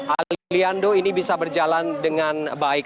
ali lian do ini bisa berjalan dengan baik